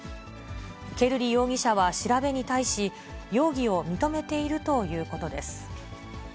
ケルリ容疑者は調べに対し、容疑を認めているということです。